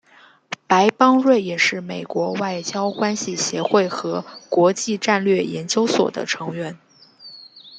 白邦瑞也是美国外交关系协会和国际战略研究所的成员。